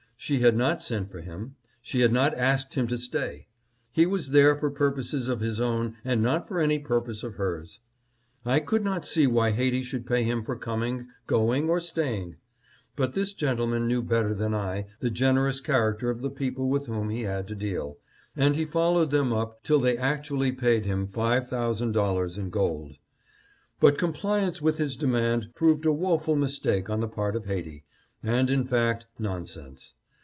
She had not sent for him. She had not asked him to stay. He was there for purposes of his own and not for any purpose of hers. I could not see why Haiti should pay him for coming, going or staying. But this gentleman knew better than I the generous character of the people with whom he had to deal, and he followed them up till they actually paid him five thousand dollars in gold. " But compliance with his demand proved a woful mistake on the part of Haiti, and, in fact, nonsense.